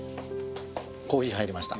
コーヒー入りました。